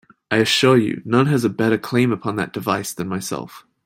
I assure you, none has a better claim upon that device than myself.